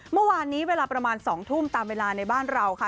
เมื่อวานนี้เวลาประมาณ๒ทุ่มตามเวลาในบ้านเราค่ะ